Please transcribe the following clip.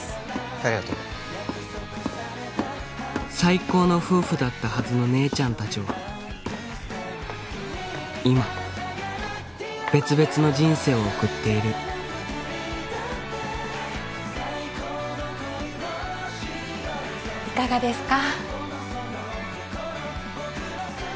ありがとう最高の夫婦だったはずの姉ちゃん達は今別々の人生を送っているいかがですか？